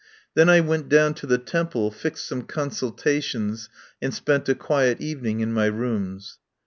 Then I went down to the Temple, fixed some consultations, and spent a quiet evening in my rooms.